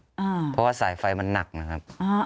เพราะว่าสายไฟมันหนักนะครับ